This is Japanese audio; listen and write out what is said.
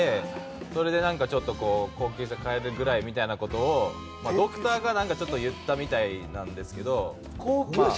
それで、高級車が買えるぐらいみたいなことをドクターがちょっと言ったみたいなんですけど。